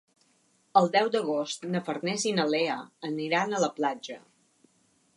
El deu d'agost na Farners i na Lea aniran a la platja.